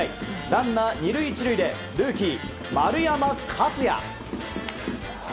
ランナー２塁１塁でルーキー、丸山和郁。